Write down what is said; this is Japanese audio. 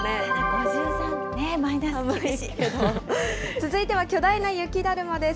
続いては巨大な雪だるまです。